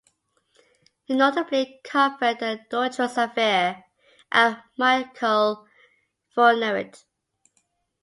He notably covered the Dutroux Affair and Michel Fourniret.